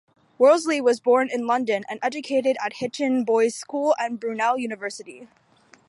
Worsley was born in London and educated at Hitchin Boys' School and Brunel University.